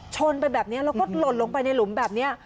ชนไปแบบนี้แล้วก็หล่นลงไปในหลุมแบบนี้